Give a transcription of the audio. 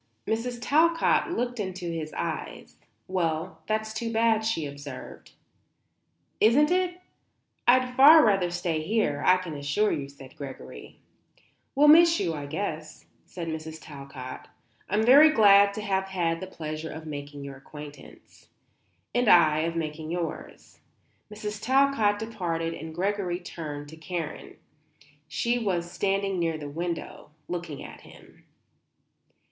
Mrs. Talcott looked into his eyes. "Well, that's too bad," she observed. "Isn't it? I'd far rather stay here, I can assure you," said Gregory. "We'll miss you, I guess," said Mrs. Talcott. "I'm very glad to have had the pleasure of making your acquaintance." "And I of making yours." Mrs. Talcott departed and Gregory turned to Karen. She was standing near the window, looking at him.